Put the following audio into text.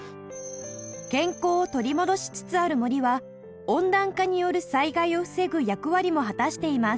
健康を取り戻しつつある森は温暖化による災害を防ぐ役割も果たしています